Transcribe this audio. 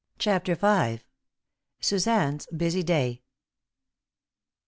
*CHAPTER V.* *SUZANNE'S BUSY DAY.